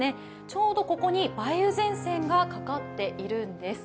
ちょうどここに梅雨前線がかかっているんです。